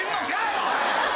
おい！